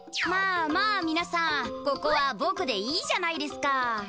まあまあみなさんここはぼくでいいじゃないですか。